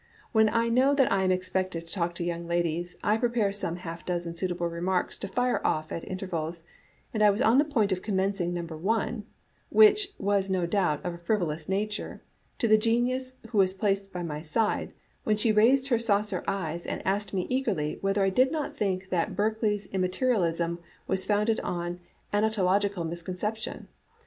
When I know that I am expected to talk to young ladies, I pre pare some half dozen suitable remarks to fire off at in tervals, and I was on the point of commencing number one, which was no doubt of a frivolous nature, to the genius who was placed by my side, when she raised her saucer eyeis, and asked me eagerly whether I did not think that Berkeley's Immaterialism was founded on anontological misconception.